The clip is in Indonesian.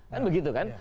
kan begitu kan